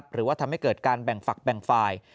หรือว่าทำให้เกิดการแบ่งฝักแบ่งฝ่าย